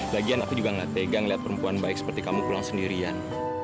lagian aku juga gak tegang liat perempuan baik seperti kamu pulang sendirian